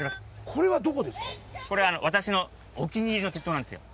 これは私のお気に入りの鉄塔なんですよ。